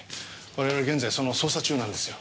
我々は現在その捜査中なんですよ。